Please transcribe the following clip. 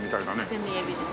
セミエビです。